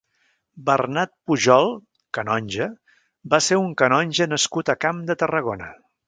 Bernat Pujol (canonge) va ser un canonge nascut a Camp de Tarragona.